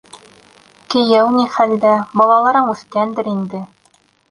Кейәү ни хәлдә, балаларың үҫкәндер инде.